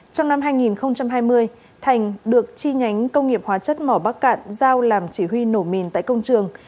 trong năm hai nghìn hai mươi thành được chi nhánh công nghiệp hóa chất mỏ bắc cạn giao làm chỉ huy nổ mìn tại công trường